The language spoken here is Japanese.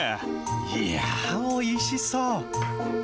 いやー、おいしそう。